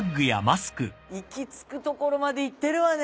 行き着くところまで行ってるわね。